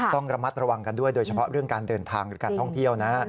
ต้องระมัดระวังกันด้วยโดยเฉพาะเรื่องการเดินทางหรือการท่องเที่ยวนะ